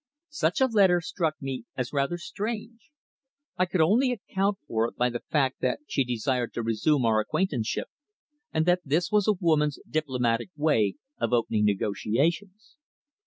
Such a letter struck me as rather strange. I could only account for it by the fact that she desired to resume our acquaintanceship, and that this was a woman's diplomatic way of opening negotiations.